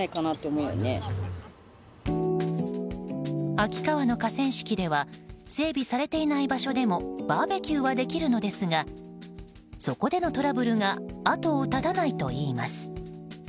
秋川の河川敷では整備されていない場所でもバーベキューはできるのですがそこでのトラブルが跡を絶たないといいます。